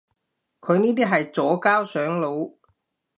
佢呢啲係左膠上腦